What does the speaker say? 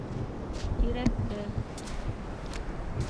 Тирәкле...